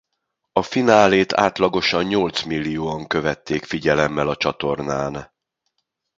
A finálét átlagosa nyolc millióan követték figyelemmel a csatornán.